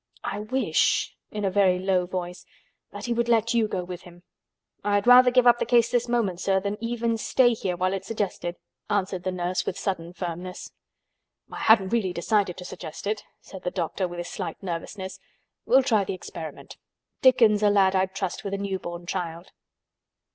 I wish," in a very low voice, "that he would let you go with him." "I'd rather give up the case this moment, sir, than even stay here while it's suggested," answered the nurse. With sudden firmness. "I hadn't really decided to suggest it," said the doctor, with his slight nervousness. "We'll try the experiment. Dickon's a lad I'd trust with a new born child."